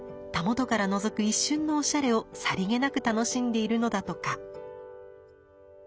袂からのぞく一瞬のおしゃれをさりげなく楽しんでいるのだとか。